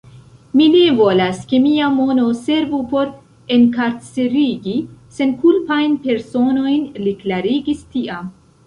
Mi ne volas, ke mia mono servu por enkarcerigi senkulpajn personojn, li klarigis tiam.